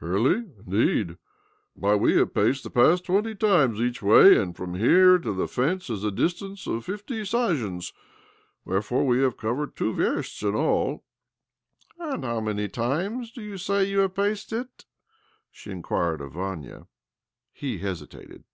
i! "Early, indeed? Why, we have paced i the path twenty times each way, and from! ' here to the fence is a distance of fifty (f sazhens ; wherefore we have covered two 1 1 versts in all." " And how many times do you say you I have paced it?" she inquired of Vania. ! 'He hesitated.